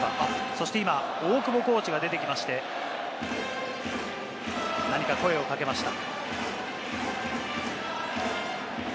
そして今、大久保コーチが出てきまして、何か声をかけました。